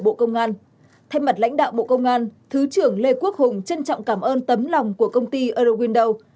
vào trường ngày hôm nay thay mặt lãnh đạo bộ công an thứ trưởng lê quốc hùng trân trọng cảm ơn tấm lòng của công ty eurowindows